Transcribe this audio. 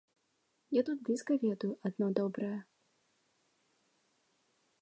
Я тут блізка ведаю адно добрае.